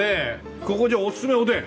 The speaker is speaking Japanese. ここはじゃあおすすめはおでん？